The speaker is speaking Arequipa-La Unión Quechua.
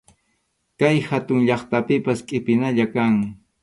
Kay hatun llaqtapipas qʼipinalla kan.